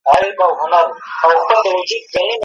مه مو شمېره پیره په نوبت کي د رندانو